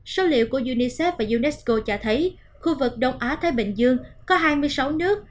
số liệu của unicef và unesco cho thấy khu vực đông á thái bình dương có hai mươi sáu nước